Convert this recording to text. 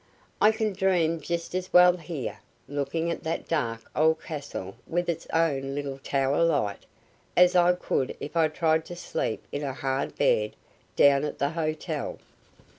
"I can dream just as well here, looking at that dark old castle with its one little tower light, as I could if I tried to sleep in a hard bed down at the hotel."